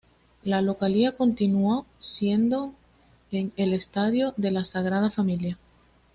La localía continuó siendo en el estadio de la Sagrada Familia.